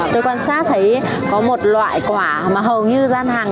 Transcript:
tôi quan sát thấy rất là đẹp lắm